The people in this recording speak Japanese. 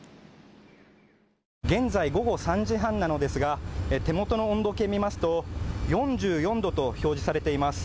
現在、午後３時半なのですが手元の温度計を見ますと４４度と表示されています。